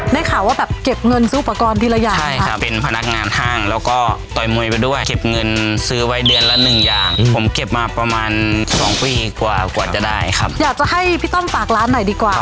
ได้ข่าวว่าแบบเก็บเงินซื้ออุปกรณ์ทีละอย่างใช่ครับเป็นพนักงานห้างแล้วก็ต่อยมวยไปด้วยเก็บเงินซื้อไว้เดือนละหนึ่งอย่างผมเก็บมาประมาณสองปีกว่ากว่าจะได้ครับอยากจะให้พี่ต้อมฝากร้านหน่อยดีกว่า